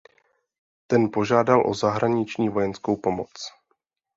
Ten požádal o zahraniční vojenskou pomoc.